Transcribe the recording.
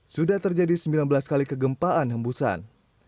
sudah terjadi sembilan belas kali kegempaan hembusan